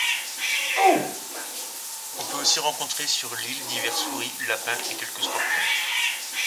On peut aussi rencontrer sur l'île divers souris, lapins et quelques scorpions.